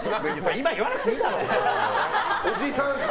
今言わなくていいだろ！